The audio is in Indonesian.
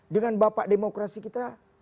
dengan bapak demokrasi kita